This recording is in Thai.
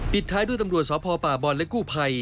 ท้ายด้วยตำรวจสพป่าบอลและกู้ภัย